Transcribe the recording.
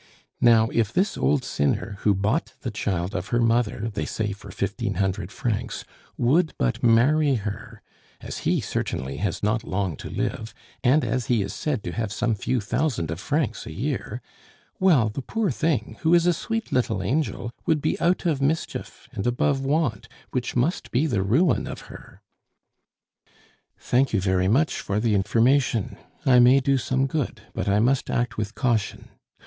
Now, if this old sinner, who bought the child of her mother, they say for fifteen hundred francs, would but marry her, as he certainly has not long to live, and as he is said to have some few thousand of francs a year well, the poor thing, who is a sweet little angel, would be out of mischief, and above want, which must be the ruin of her." "Thank you very much for the information. I may do some good, but I must act with caution.